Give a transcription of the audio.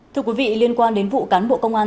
thưa quý vị liên quan đến vụ cán bộ công an